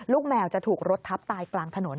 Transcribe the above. แมวจะถูกรถทับตายกลางถนน